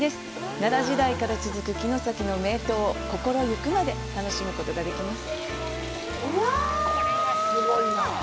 奈良時代から続く城崎の名湯を心ゆくまで楽しむことができます。